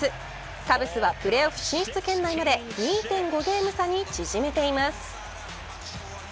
カブスはプレーオフ進出圏内まで２．５ゲーム差に縮めています。